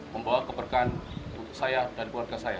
membawa keberkahan untuk saya dan keluarga saya